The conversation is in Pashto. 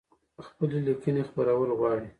خپلي لیکنۍ خپرول غواړی؟